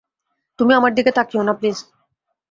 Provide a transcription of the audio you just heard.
তুমি আমার দিকে তাকিও না, প্লীজ।